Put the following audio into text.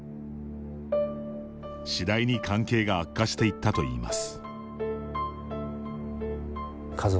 次第に関係が悪化していったといいます。